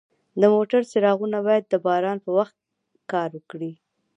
د موټر څراغونه باید د باران په وخت کار وکړي.